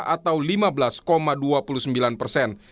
atau lima belas dua puluh sembilan persen